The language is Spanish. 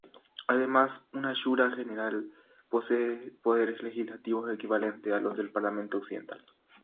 Además una shura general posee poderes legislativos, equivalentes a los de un parlamento occidental.